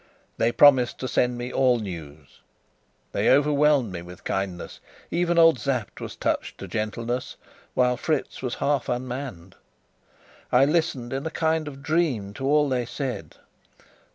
They promised to send me all news; they overwhelmed me with kindness even old Sapt was touched to gentleness, while Fritz was half unmanned. I listened in a kind of dream to all they said.